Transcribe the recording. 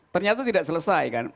ternyata tidak selesai kan